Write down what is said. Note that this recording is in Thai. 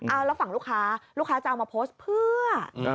เอาแล้วฝั่งลูกค้าลูกค้าจะเอามาโพสต์เพื่อ